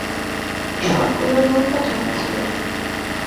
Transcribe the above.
সবগুলো নৌকা ঢাকা ছিল।